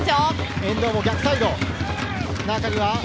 遠藤、逆サイド。